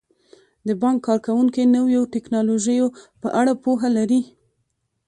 د بانک کارکوونکي د نویو ټیکنالوژیو په اړه پوهه لري.